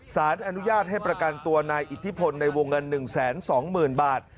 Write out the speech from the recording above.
สารอนุญาตให้ประกันตัวนายอิทธิพลในวงเงิน๑๒๐๐๐บาท